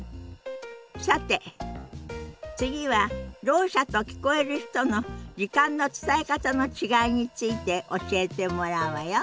さて次はろう者と聞こえる人の時間の伝え方の違いについて教えてもらうわよ。